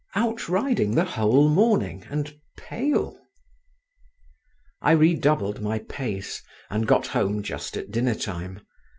out riding the whole morning, and pale?" I redoubled my pace, and got home just at dinner time.